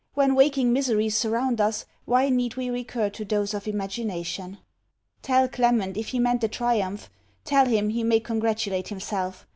When waking miseries surround us, why need we recur to those of imagination! Tell Clement, if he meant a triumph, tell him he may congratulate himself.